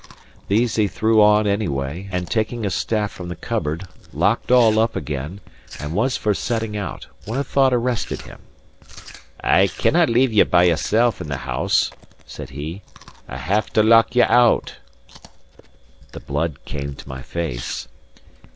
These he threw on any way, and taking a staff from the cupboard, locked all up again, and was for setting out, when a thought arrested him. "I cannae leave you by yoursel' in the house," said he. "I'll have to lock you out." The blood came to my face.